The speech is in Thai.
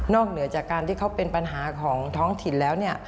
เหนือจากการที่เขาเป็นปัญหาของท้องถิ่นแล้วเนี่ย